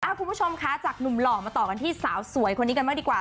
คุณผู้ชมคะจากหนุ่มหล่อมาต่อกันที่สาวสวยคนนี้กันบ้างดีกว่า